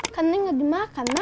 kan neng nggak dimakan ma